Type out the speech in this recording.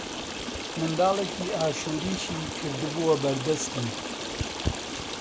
منداڵێکی ئاشۆریشی کردبووە بەر دەستم